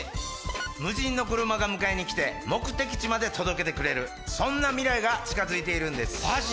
無人の車が迎えに来て目的地まで届けてくれるそんな未来が近づいているんですマジ